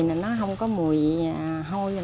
nó không có mùi hôi